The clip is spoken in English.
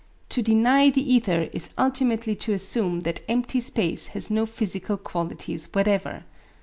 To deny the ether is ultimately to assume that empty space has no physical qualities whatever.